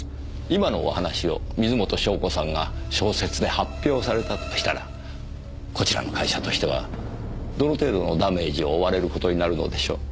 今のお話を水元湘子さんが小説で発表されたとしたらこちらの会社としてはどの程度のダメージを負われる事になるのでしょう？